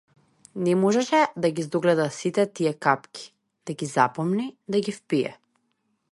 Не можеше да ги здогледа сите тие капки, да ги запомни, да ги впие.